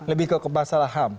lebih ke masalah ham